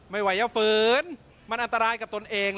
ไม่ไหวอย่าฝืนมันอันตรายกับตนเอง